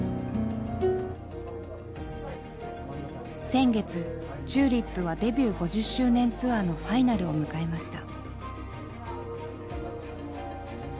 前月ＴＵＬＩＰはデビュー５０周年ツアーのファイナルを迎えました。